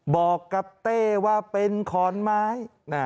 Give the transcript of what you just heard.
บอกกับเต้ว่าเป็นขอนไม้